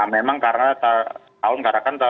memang karena tahun karakan ter